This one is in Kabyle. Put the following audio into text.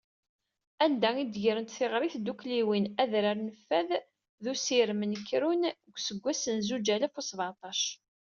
Anda i d-grent tiɣri tdukkliwin Adrar n Fad d Usirem n Krun deg useggas n zuǧ alaf u sbeεṭac.